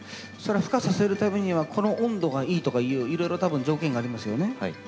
それふ化させるためにはこの温度がいいとかいういろいろ多分条件がありますよね？